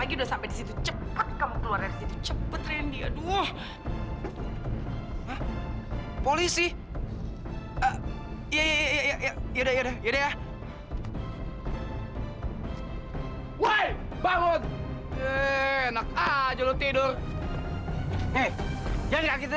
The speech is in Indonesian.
gimana mas itu ular itu jodoh ke situ